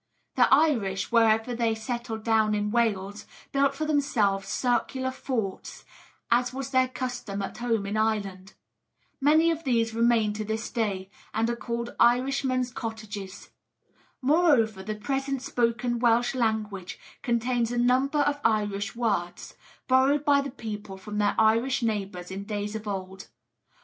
The Irish, wherever they settled down in Wales, built for themselves circular forts, as was their custom at home in Ireland. Many of these remain to this day, and are called 'Irishmen's Cottages.' Moreover, the present spoken Welsh language contains a number of Irish words, borrowed by the people from their Irish neighbours in days of old.